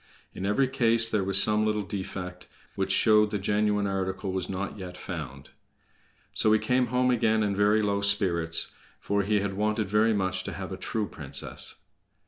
In every case there was some little defect, which showed the genuine article was not yet found. So he came home again in very low spirits, for he had wanted very much to have a true princess.